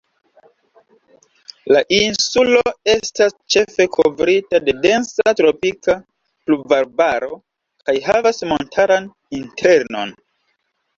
La insulo estas ĉefe kovrita de densa tropika pluvarbaro kaj havas montaran internon.